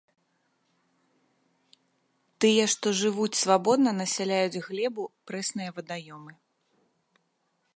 Тыя, што жывуць свабодна, насяляюць глебу, прэсныя вадаёмы.